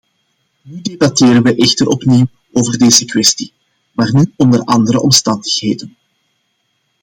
Nu debatteren we echter opnieuw over deze kwestie, maar nu onder andere omstandigheden.